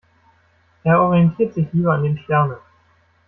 Er orientiert sich lieber an den Sternen.